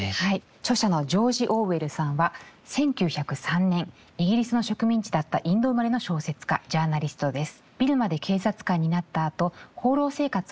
著者のジョージ・オーウェルさんは１９０３年イギリスの植民地だったインド生まれの小説家・ジャーナリストです。